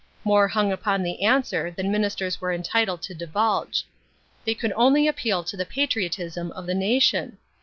More hung upon the answer than Ministers were entitled to divulge. They could only appeal to the patriotism of the nation.